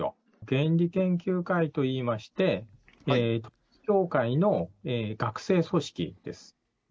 原理研究会と言いまして、統一教会の学生組織です。